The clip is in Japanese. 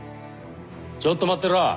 ちょっと待ってろ。